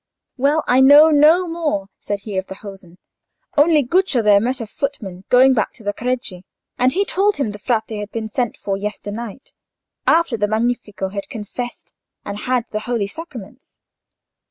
"Well, I know no more," said he of the hosen, "only Guccio there met a footman going back to Careggi, and he told him the Frate had been sent for yesternight, after the Magnifico had confessed and had the holy sacraments."